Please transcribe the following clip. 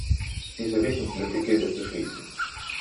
Diese Wissenslücke gilt es zu schließen.